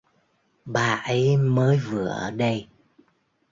Ba ấy mới vừa ở đây